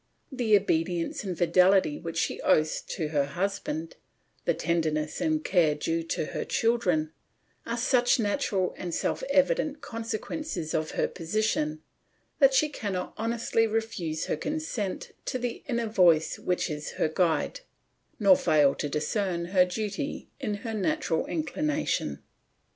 The obedience and fidelity which she owes to her husband, the tenderness and care due to her children, are such natural and self evident consequences of her position that she cannot honestly refuse her consent to the inner voice which is her guide, nor fail to discern her duty in her natural inclination.